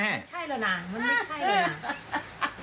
ไม่ใช่เหรอน่ะมันไม่ใช่เลยน่ะ